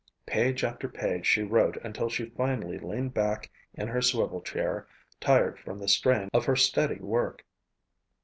Page after page she wrote until she finally leaned back in her swivel chair, tired from the strain of her steady work.